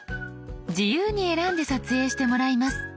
自由に選んで撮影してもらいます。